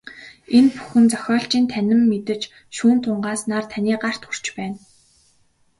Энэ бүхэн зохиолчийн танин мэдэж, шүүн тунгааснаар таны гарт хүрч байна.